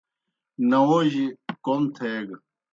ناؤجیْ کوْم تھیگہ۔